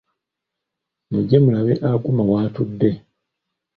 Mujje mulabe Aguma w'atudde.